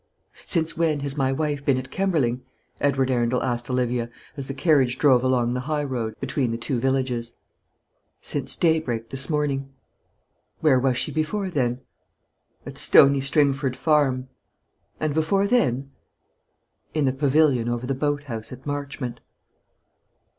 "Since when has my wife been at Kemberling?" Edward Arundel asked Olivia, as the carriage drove along the high road between the two villages. "Since daybreak this morning." "Where was she before then?" "At Stony Stringford Farm." "And before then?" "In the pavilion over the boat house at Marchmont."